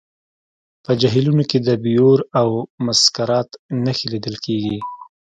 په جهیلونو کې د بیور او مسکرات نښې لیدل کیږي